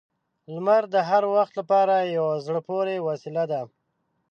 • لمر د هر وخت لپاره یو زړه پورې وسیله ده.